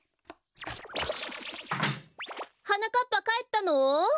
はなかっぱかえったの？